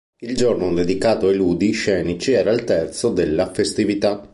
Il giorno dedicato ai ludi scenici era il terzo della festività.